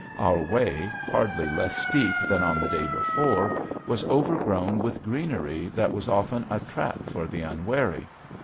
Our way, hardly less steep than on the day before, was overgrown with greenery that was often a trap for the unwary.